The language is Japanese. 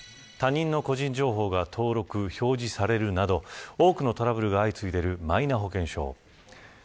続いては他人の個人情報が登録、表示されるなど多くのトラブルが相次いでいるマイナ保険証。